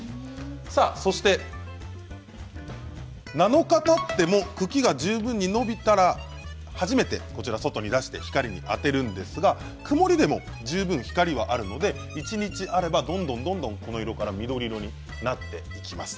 そして７日たって茎が十分に伸びたら初めて外に出して光に当てるんですが曇りでも十分光はあるので一日あればどんどんこの色から緑色になっていきます。